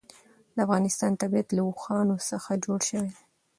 د افغانستان طبیعت له اوښانو څخه جوړ شوی دی.